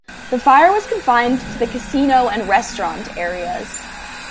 The fire was confined to the casino and restaurant areas.